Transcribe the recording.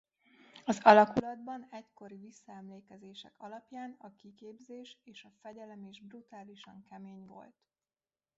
Az alakulatban egykori visszaemlékezések alapján a kiképzés és a fegyelem is brutálisan kemény volt.